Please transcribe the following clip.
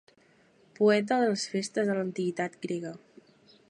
Poeta a les festes de l'antiguitat grega.